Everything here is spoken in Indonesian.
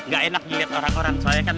gak enak dilihat orang orang soalnya kan